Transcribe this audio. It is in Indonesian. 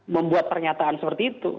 membuat pernyataan seperti itu